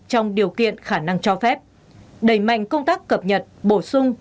trong điều kiện khả năng cho phép đẩy mạnh công tác cập nhật bổ sung